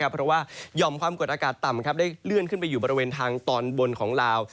เพราะว่าหย่อมความกดอากาศต่ำได้เลื่อนขึ้นไปอยู่บริเวณทางตอนบนของลาว